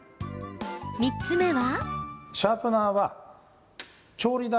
３つ目は。